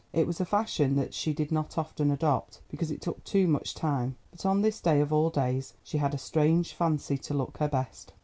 It was a fashion that she did not often adopt, because it took too much time, but on this day, of all days, she had a strange fancy to look her best.